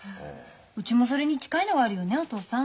うちもそれに近いのがあるよねお父さん？